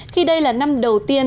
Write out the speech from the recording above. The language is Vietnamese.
khi đây là năm đầu tiên